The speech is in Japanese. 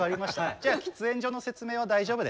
じゃあ喫煙所の説明は大丈夫ですかね。